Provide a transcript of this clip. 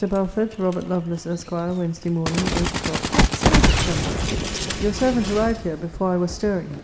BELFORD, TO ROBERT LOVELACE, ESQ. WEDN. MORN. EIGHT O'CLOCK, (6 SEPT.) Your servant arrived here before I was stirring.